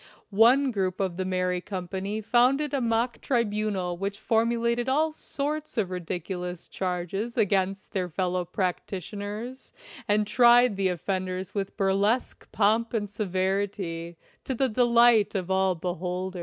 One group of the merry company founded a mock tribunal which formulated all sorts of ridiculous charges against their fellow prac titioners and tried the offenders with burlesque pomp and severity, to the delight of all beholders.